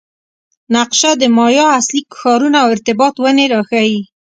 نقشه د مایا اصلي ښارونه او ارتباط ونې راښيي